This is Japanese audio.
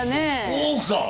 大奥さん！